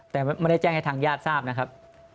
แต่ไม่ได้แจ้งให้ทางญาติทราบนะครับ